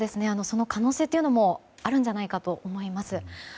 その可能性というのもあるんじゃないかと思います。